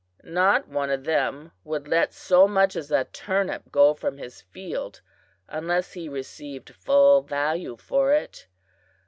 Not one of them would let so much as a turnip go from his field unless he received full value for it.